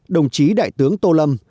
đồng chí đại tướng tô lâm